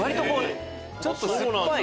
ちょっと酸っぱい。